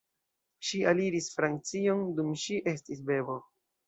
Ŝi aliris Francion dum ŝi estis bebo.